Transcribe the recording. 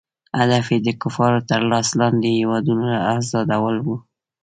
هدف یې د کفارو تر لاس لاندې هیوادونو آزادول وو.